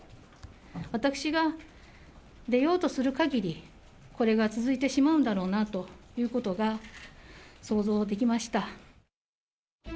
私が出ようとするかぎり、これが続いてしまうんだろうなということが想像できました。